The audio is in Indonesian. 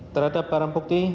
terhadap barang bukti